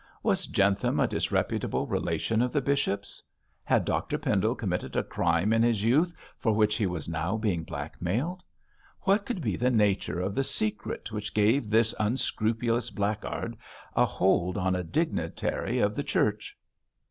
Was Jentham a disreputable relation of the bishop's? Had Dr Pendle committed a crime in his youth for which he was now being blackmailed? What could be the nature of the secret which gave this unscrupulous blackguard a hold on a dignitary of the Church?